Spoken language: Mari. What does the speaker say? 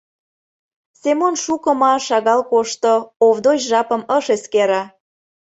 Семон шуко ма шагал кошто — Овдоч жапым ыш эскере.